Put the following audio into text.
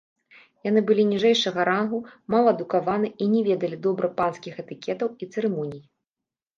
Яны былі ніжэйшага рангу, мала адукаваны і не ведалі добра панскіх этыкетаў і цырымоній.